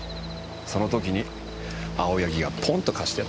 その時に青柳がポンと貸してやったんですよ。